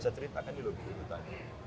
saya ceritakan di lodi urutannya